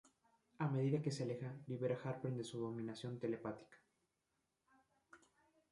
A medida que se aleja, libera Harper de su dominación telepática.